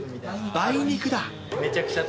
梅肉だ。